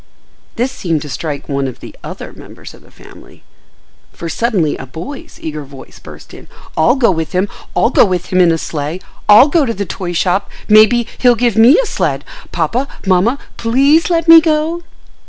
This seemed to strike one of the other members of the family, for suddenly a boy's eager voice burst in: "I'll go with him. I'll go with him in a sleigh. I'll go to the toy shop. Maybe, he'll give me a sled. Papa, mamma, please let me go."